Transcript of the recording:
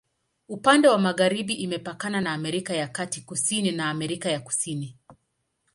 Upande wa magharibi imepakana na Amerika ya Kati, kusini na Amerika ya Kusini.